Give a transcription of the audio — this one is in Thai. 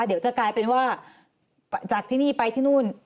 เดี๋ยวจะกลายเป็นว่าจากที่นี่ไปที่นู่น